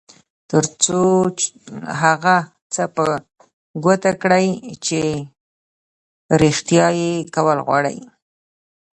تر څو هغه څه په ګوته کړئ چې رېښتيا یې کول غواړئ.